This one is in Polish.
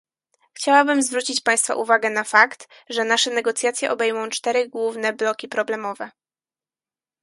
Chciałabym zwrócić państwa uwagę na fakt, że nasze negocjacje obejmą cztery główne bloki problemowe